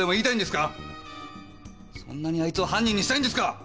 そんなにあいつを犯人にしたいんですか